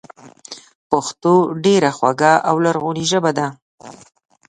پښتو ډېره خواږه او لرغونې ژبه ده